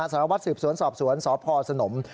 สารวัฒน์ศืบศวรษสวรสพศหนม